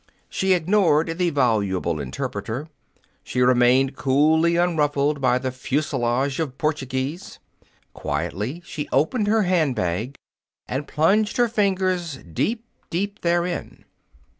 She ignored the voluble interpreter. She remained coolly unruffled by the fusillade of Portuguese. Quietly she opened her hand bag and plunged her fingers deep, deep therein.